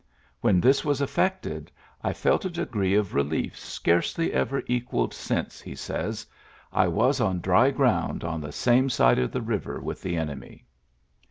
"When this was effected, I felt a degree of relief scarcely ever equalled since," he says. " I was on dry ground on the same side of the river with the enemy.''